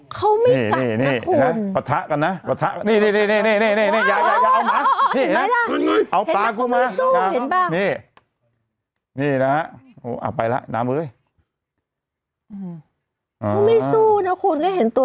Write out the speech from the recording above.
เขาไม่กัดนะคุณนี่นี่นี่ปะทะกันนะปะทะ